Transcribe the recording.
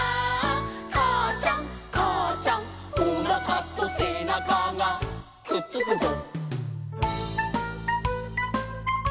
「かあちゃんかあちゃん」「おなかとせなかがくっつくぞ」